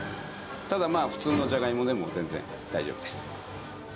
ただ、普通のじゃがいもでも全然、大丈夫です。